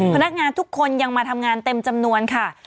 พนักงานทุกคนยังมาทำงานเต็มจำนวนค่ะ